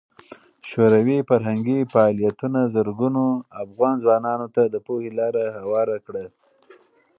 شوروي فرهنګي فعالیتونه زرګونو افغان ځوانانو ته د پوهې لار هواره کړه.